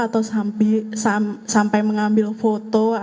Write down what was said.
atau sampai mengambil foto